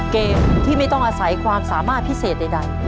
เกมที่ไม่ต้องอาศัยความสามารถพิเศษใด